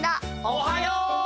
おはよう！